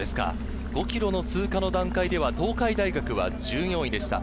５ｋｍの通過の段階では東海大学は１４位でした。